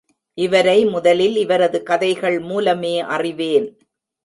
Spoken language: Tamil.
இவரை முதலில் இவரது கதைகள் மூலமே அறிவேன்.